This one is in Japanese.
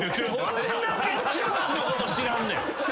どんだけチュロスのこと知らんねん。